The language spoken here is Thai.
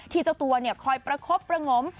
ที่จะตัวเนี่ยคอยประคบประงม